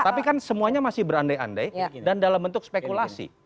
tapi kan semuanya masih berandai andai dan dalam bentuk spekulasi